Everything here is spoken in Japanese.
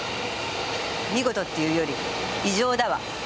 見事っていうより異常だわ。